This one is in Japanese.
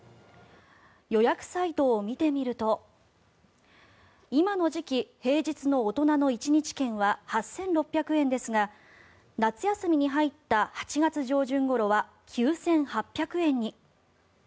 予約サイトを見てみると今の時期、平日の大人の１日券は８６００円ですが夏休みに入った８月上旬ごろは９８００円に。